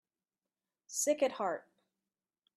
Sick at heart